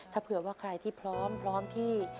ถ้าเผื่อว่าใครที่พร้อมพร้อมที่